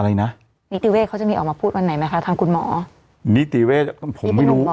อะไรนะนิติเวศเขาจะมีออกมาพูดวันไหนไหมคะทางคุณหมอนิติเวศผมไม่รู้อ่ะ